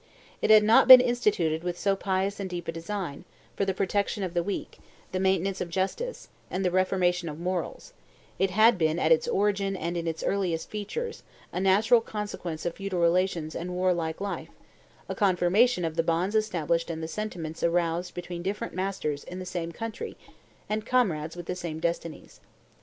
It had not been instituted with so pious and deep a design, for the protection of the weak, the maintenance of justice, and the reformation of morals; it had been, at its origin and in its earliest features, a natural consequence of feudal relations and warlike life, a confirmation of the bonds established and the sentiments aroused between different masters in the same country and comrades with the same destinies.